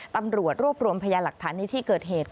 ตำรวจรวบรวมพยาหลักฐานในที่เกิดเหตุ